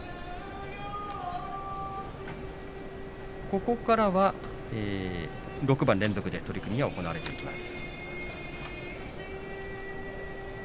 ここからは６番連続で取り組みが行われます。